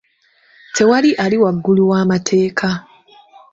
Tewali ali waggulu w'amateeka.